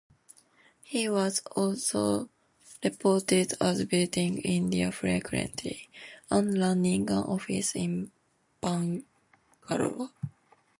He was also reported as visiting India frequently, and running an office in Bangalore.